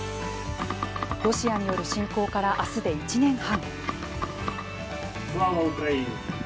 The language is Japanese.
ロシアによる侵攻からあすで１年半。